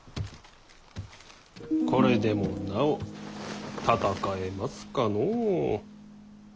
これでもなお戦えますかのう。